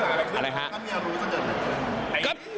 อะไรฮะ